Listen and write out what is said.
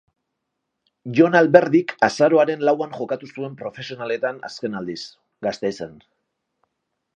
Jon Alberdik azaroaren lauan jokatu zuen profesionaletan azken aldiz, Gasteizen.